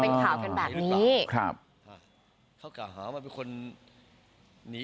แล้วเอามันเป็นข่าวกันแบบนี้